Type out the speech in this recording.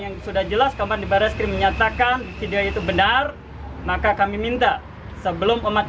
yang sudah jelas kampanye baraskri menyatakan video itu benar maka kami minta sebelum umat